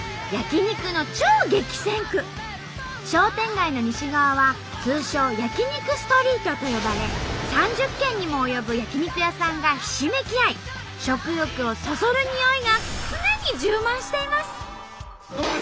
商店街の西側は通称「焼き肉ストリート」と呼ばれ３０軒にも及ぶ焼き肉屋さんがひしめき合い食欲をそそるにおいが常に充満しています。